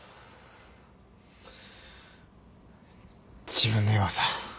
自分の弱さ。